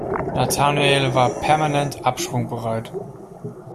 Nathanael war permanent absprungbereit.